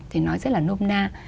thì nói rất là nôm na